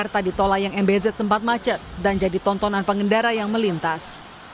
menuju jakarta di tol layang mbs sempat macet dan jadi tontonan pengendara yang melintas